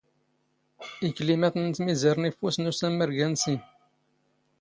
ⵉⴽⵍⵉⵎⴰⵜⵏ ⵏ ⵜⵎⵉⵣⴰⵔ ⵏ ⵉⴼⴼⵓⵙ ⵏ ⵓⵙⴰⵎⵎⵔ ⴳⴰⵏ ⵙⵉⵏ: